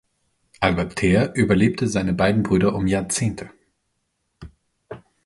Albert Theer überlebte seine beiden Brüder um Jahrzehnte.